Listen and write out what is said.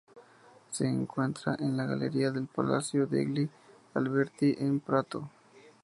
Se encuentra en la galería del Palacio degli Alberti en Prato.